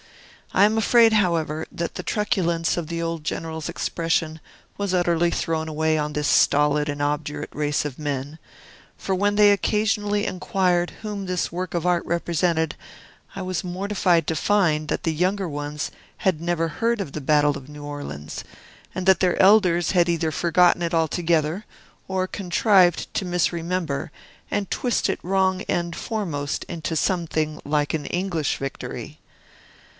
I am afraid, however, that the truculence of the old General's expression was utterly thrown away on this stolid and obdurate race of men; for, when they occasionally inquired whom this work of art represented, I was mortified to find that the younger ones had never heard of the battle of New Orleans, and that their elders had either forgotten it altogether, or contrived to misremember, and twist it wrong end foremost into something like an English victory.